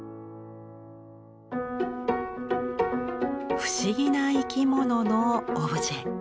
不思議な生き物のオブジェ。